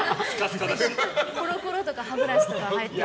コロコロとか歯ブラシとか。